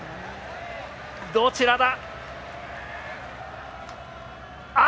どちらだ。